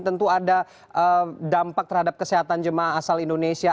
tentu ada dampak terhadap kesehatan jemaah asal indonesia